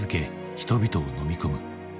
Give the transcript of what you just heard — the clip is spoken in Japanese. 人々をのみ込む。